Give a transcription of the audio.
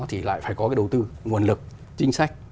thì lại phải có cái đầu tư nguồn lực chính sách